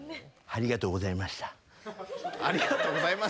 ありがとうございましたね。